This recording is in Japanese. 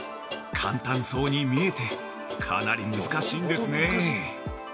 簡単そうに見えて、かなり難しいんです。